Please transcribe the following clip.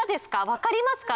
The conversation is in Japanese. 分かりますか？